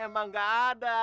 kalau emang nggak ada